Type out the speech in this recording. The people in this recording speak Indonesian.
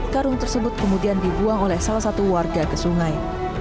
karung tersebut kemudian dibuang oleh salah satu warga ke sungai